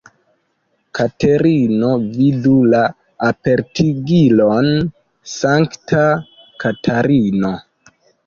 Katerino vidu la apartigilon Sankta Katarino.